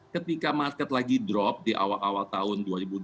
ketika market lagi drop di awal awal tahun dua ribu dua puluh